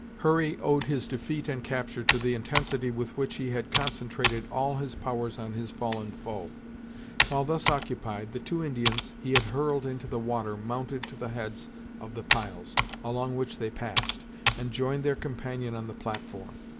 Hurry owed his defeat and capture to the intensity with which he had concentrated all his powers on his fallen foe. While thus occupied, the two Indians he had hurled into the water mounted to the heads of the piles, along which they passed, and joined their companion on the platform.